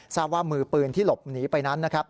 ทราบว่ามือปืนที่หลบหนีไปนั้นนะครับ